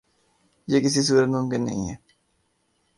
یہ کسی صورت ممکن نہیں ہے